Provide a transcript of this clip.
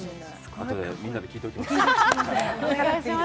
あとでみんなで聞いておきます。